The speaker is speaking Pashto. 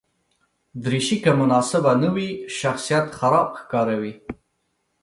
دریشي که مناسبه نه وي، شخصیت خراب ښکاروي.